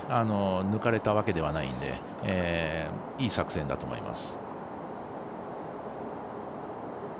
抜かれたわけではないのでいい作戦だと思います。